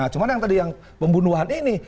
cuma yang tadi yang pembunuhan ini